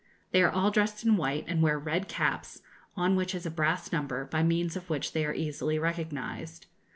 They are all dressed in white, and wear red caps, on which is a brass number, by means of which they are easily recognised.